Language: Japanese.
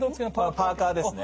パーカーですね。